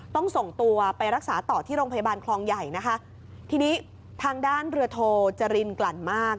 ต้องส่งตัวไปรักษาต่อที่โรงพยาบาลคลองใหญ่นะคะทีนี้ทางด้านเรือโทจรินกลั่นมาก